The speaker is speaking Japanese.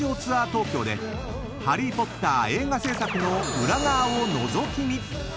東京で『ハリー・ポッター』映画制作の裏側をのぞき見］